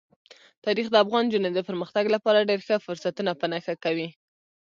تاریخ د افغان نجونو د پرمختګ لپاره ډېر ښه فرصتونه په نښه کوي.